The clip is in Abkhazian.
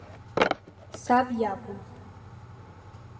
Саб иакәын.